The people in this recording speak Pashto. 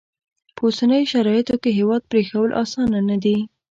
په اوسنیو شرایطو کې هیواد پرېښوول اسانه نه دي.